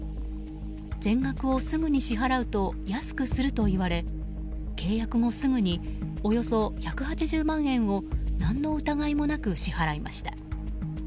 全額をすぐに支払うと安くすると言われ契約後すぐにおよそ１８０万円を何の疑いもなく支払いました。